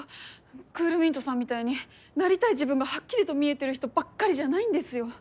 クールミントさんみたいになりたい自分がはっきりと見えてる人ばっかりじゃないんですよ。